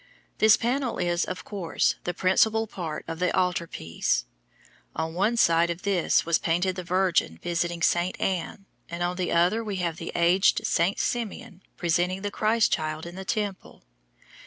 This panel is, of course, the principal part of the altar piece. On one side of this was painted the Virgin visiting St. Anne, and on the other we have the aged St. Simeon presenting the Christ Child in the temple.